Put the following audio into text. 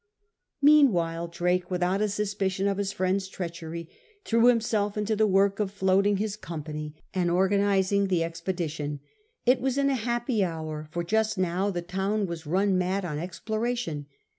Meanwhile Drake, without a suspicion of his friend's treachery, threw himself into the work of floating his company and organising the expedition. It was in a happy hour, for just now the town was run mad on exploration.